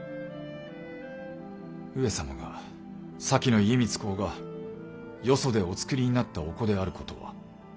上様が先の家光公がよそでお作りになったお子であることは。